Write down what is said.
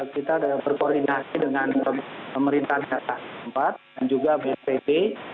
kita berkoordinasi dengan pemerintahan kata tempat dan juga bpp